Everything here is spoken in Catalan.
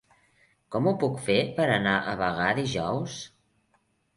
Com ho puc fer per anar a Bagà dijous?